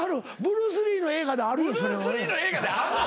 ブルース・リーの映画であんの？